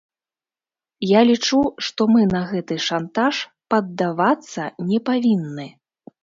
Я лічу, што мы на гэты шантаж паддавацца не павінны.